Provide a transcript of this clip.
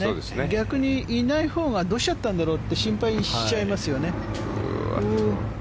逆にいないほうがどうしちゃったんだろうと心配しちゃいますよね。